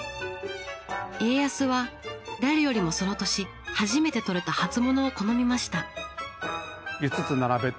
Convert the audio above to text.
家康は誰よりもその年初めてとれた初物を好みました。